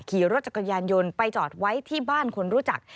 ขี่รถจักรยานยนต์ไปจอดไว้ที่บ้านคนรู้จัก